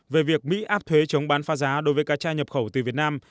về việc mỹ áp thuế chống bán pha giá đối với cá tra nhập khẩu từ việt nam